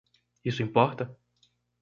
Isso importa?